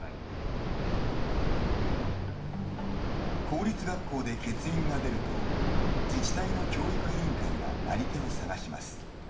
公立学校で欠員が出ると自治体の教育委員会がなり手を探します。